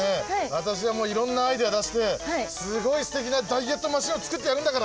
私はいろんなアイデア出してすごいすてきなダイエットマシンを作ってやるんだから。